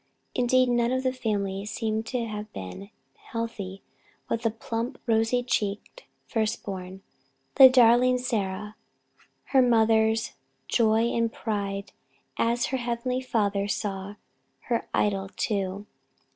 Indeed none of the family seemed to have been healthy but the "plump, rosy cheeked" first born, the darling Sarah, her mother's joy and pride, and as her Heavenly Father saw her idol too!